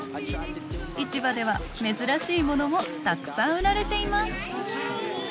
市場では珍しいものもたくさん売られています。